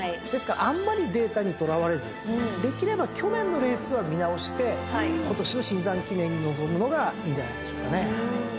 ですからあんまりデータにとらわれずできれば去年のレースは見直して今年のシンザン記念に臨むのがいいんじゃないでしょうかね。